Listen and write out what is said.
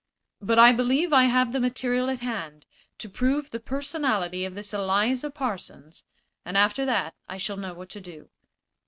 But I believe I have the material at hand to prove the personality of this Eliza Parsons, and after that I shall know what to do.